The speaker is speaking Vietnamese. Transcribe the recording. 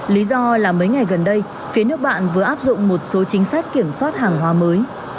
lý do là mấy ngày gần đây phía nước bạn vừa áp dụng một số chính sách kiểm soát hàng hóa mới